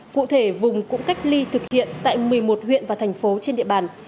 cụ thể vùng cũng cách ly thực hiện tại một mươi một huyện và thành phố trên địa bàn